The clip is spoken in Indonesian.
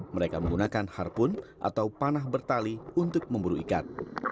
mereka menggunakan harpoon atau panah bertali untuk memburu ikan